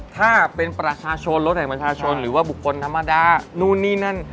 ถ้าเป็นประชาชนรถแห่งประชาชนหรือว่าบุคคลธรรมดานู่นนี่นั่น